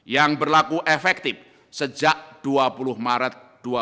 yang berlaku efektif sejak dua puluh maret dua ribu dua puluh